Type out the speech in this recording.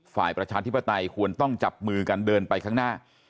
ประชาธิปไตยควรต้องจับมือกันเดินไปข้างหน้า